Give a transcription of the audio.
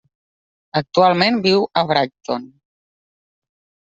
Actualment viu a Brighton.